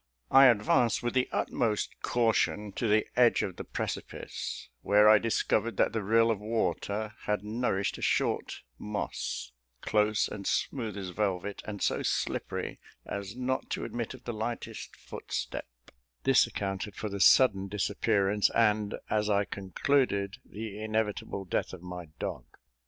I advanced with the utmost caution to the edge of the precipice, where I discovered that the rill of water had nourished a short moss, close and smooth as velvet, and so slippery as not to admit of the lightest footstep; this accounted for the sudden disappearance, and, as I concluded, the inevitable death of my dog.